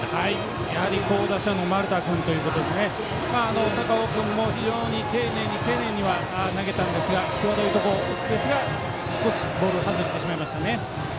やはり好打者の丸田君ということで高尾君も丁寧に投げたんですが際どいところですが少しボールが外れてしまいましたね。